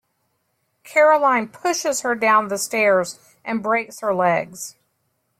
Caroline pushes her down the stairs and breaks her legs.